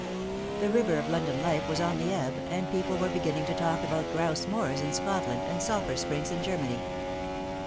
The river of London life was on the ebb, and people were beginning to talk about grouse inoors in Scotland and sulphur springs in Germany.